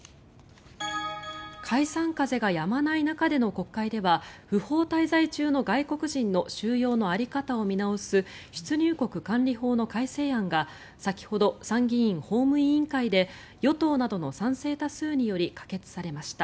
解散風がやまない中での国会では不法滞在中の外国人の収容の在り方を見直す出入国管理法の改正案が先ほど参議院法務委員会で与党などの賛成多数により可決されました。